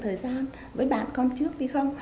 thời gian với bạn con trước đi không